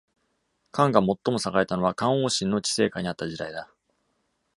韓が最も栄えたのは、韓王信の治世下にあった時代だ。